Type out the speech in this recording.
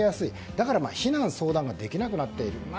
だから避難や相談ができなくなっている。